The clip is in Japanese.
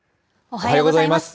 おはようございます。